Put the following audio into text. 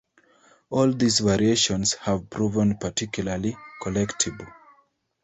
All these variations have proven particularly collectible.